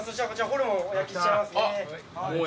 ホルモンお焼きしちゃいますね。